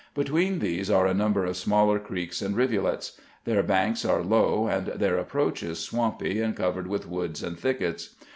Between tliese are a number of smaller creeks and rivulets. Their banks are low, and their approaches swampy and covered wdth woods and thickets.